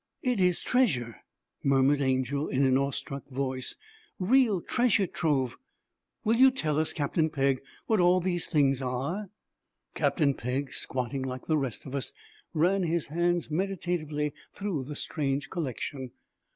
'It is treasure,' murmured Angel, in an awe struck voice, 'real treasure trove. Will you tell us, Captain Pegg, what all these things are?' Captain Pegg, squatting like the rest of us, ran his hands meditatively through the strange collection.